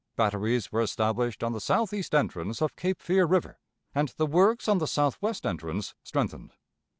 Batteries were established on the southeast entrance of Cape Fear River, and the works on the southwest entrance strengthened.